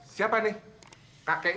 siapa yang jamin